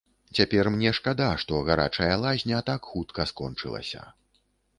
Цяпер мне шкада, што гарачая лазня так хутка скончылася.